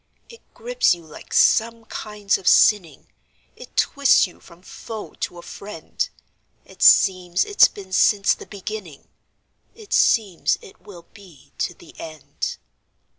It grips you like some kinds of sinning; It twists you from foe to a friend; It seems it's been since the beginning; It seems it will be to the end.